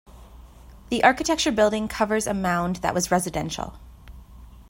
The Architecture Building covers a mound that was residential.